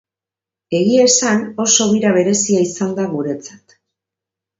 Egia esan, oso bira berezia izan da guretzat.